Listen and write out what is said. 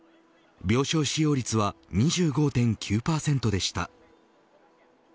病床使用率は２５．９％でした。